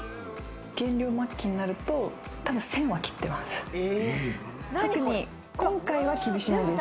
減量末期になると、１０００は切ってます。